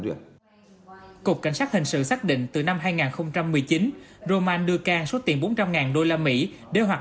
duyệt cục cảnh sát hình sự xác định từ năm hai nghìn một mươi chín roman đưa can số tiền bốn trăm linh usd để hoạt